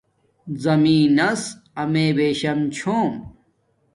زمین نس امیے بشام چھوم